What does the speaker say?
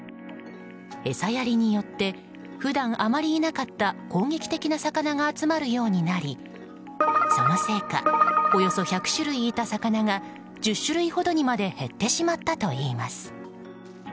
餌やりによって普段あまりいなかった攻撃的な魚が集まるようになりそのせいかおよそ１００種類いた魚が１０種類ほどにまで減ってしまったといいます。